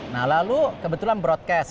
nah lalu kebetulan broadcast